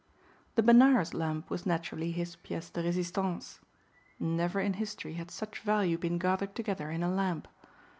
The Benares lamp was naturally his pièce de résistance. Never in history had such value been gathered together in a lamp.